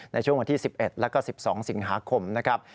ในช่วงวันที่๑๑แล้วก็๑๒สิงหาคมนะครับ